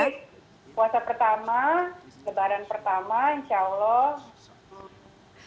baik puasa pertama lebaran pertama insya allah